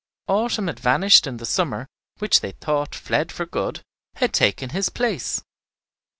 Autumn had vanished, and the summer, which they thought fled for good, had taken his place.